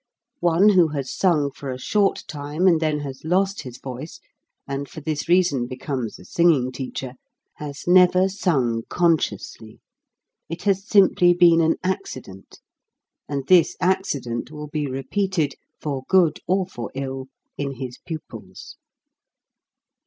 One who has sung for a short time, and then has lost his voice, and for this reason becomes a singing teacher, has 8 HOW TO SING never sung consciously ; it has simply been an accident, and this accident will be repeated, for good or for ill, in his pupils.